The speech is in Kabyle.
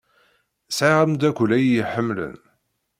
Sɛiɣ ameddakel ay iyi-iḥemmlen.